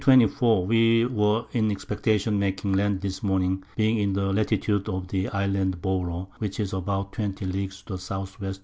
_ We were in expectation of making Land this Morning, being in the Latitude of the Island Bouro, which is about 20 Leagues to the S.W.